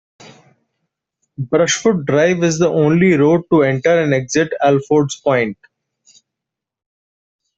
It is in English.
Brushwood Drive is the only road to enter and exit Alfords Point.